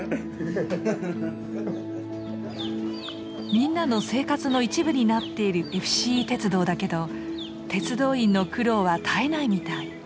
みんなの生活の一部になっているＦＣＥ鉄道だけど鉄道員の苦労は絶えないみたい。